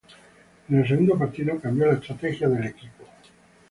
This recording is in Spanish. En el segundo partido cambió la estrategia de los Bucks.